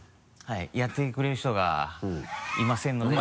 はいやってくれる人がいませんので。